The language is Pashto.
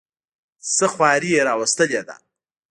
څه خواري یې راوستلې ده.